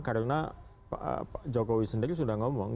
karena jokowi sendiri sudah ngomong